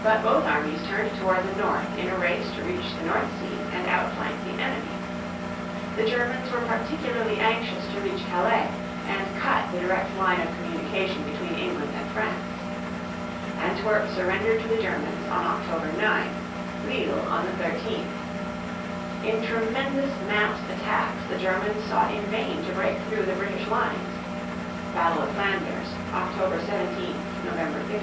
But both armies turned toward the north in a race to reach the North Sea and outflank the enemy. The Germans were particularly anxious to reach Calais (ca lĕ´) and cut the direct line of communication between England and France. Antwerp surrendered to the Germans on October 9; Lille (leel) on the 13th. In tremendous massed attacks the Germans sought in vain to break through the British lines (Battle of Flanders, October 17 to November 15).